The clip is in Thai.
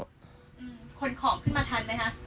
คนของขึ้นมาทันไหมคะ